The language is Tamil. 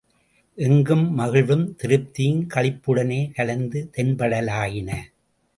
எங்கும் மகிழ்வும் திருப்தியும் களிப்புடனே கலந்து தென்படலாயின.